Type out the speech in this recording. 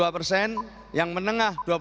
dua puluh dua persen yang menengah